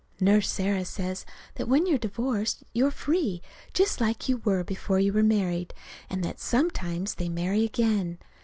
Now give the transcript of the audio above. Nurse Sarah says that when you're divorced you're free, just like you were before you were married, and that sometimes they marry again.